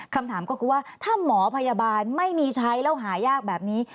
คำถามก็คือว่าถ้าหมอพยาบาลไม่มีใช้แล้วหายากแบบนี้